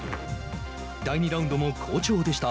第２ラウンドも好調でした。